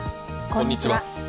こんにちは。